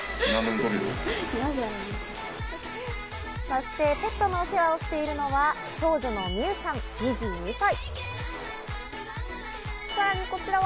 そして、ペットのお世話をしているのは、長女の美羽さん、２２歳。